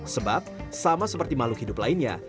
sebab sama seperti makhluk hidup lainnya